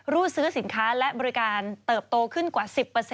รูดซื้อสินค้าและบริการเติบโตขึ้นกว่า๑๐